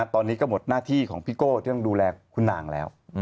ตอนนี้ก็หมดหน้าที่ของพี่โก้ที่ต้องดูแลคุณนางแล้ว